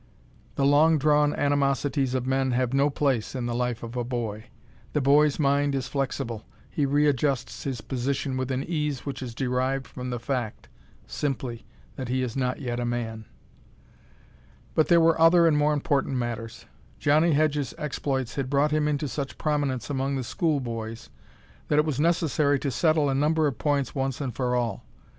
The long drawn animosities of men have no place in the life of a boy. The boy's mind is flexible; he readjusts his position with an ease which is derived from the fact simply that he is not yet a man. But there were other and more important matters. Johnnie Hedge's exploits had brought him into such prominence among the school boys that it was necessary to settle a number of points once and for all.